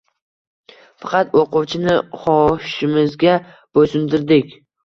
Faqat o‘quvchini xohishimizga bo‘ysundirdik.